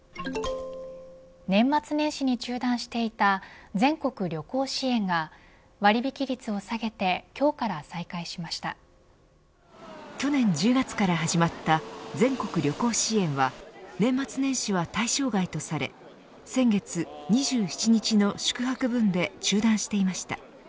年末年始に中断していた全国旅行支援が割引率を下げて去年１０月から始まった全国旅行支援は年末年始は対象外とされ先月２７日の宿泊分で中断していました。